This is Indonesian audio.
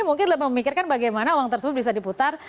mungkin lebih memikirkan bagaimana uang tersebut bisa diputar